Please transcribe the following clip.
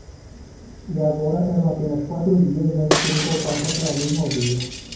E agora eram apenas quatro dias antes que ele voltasse àquela mesma aldeia.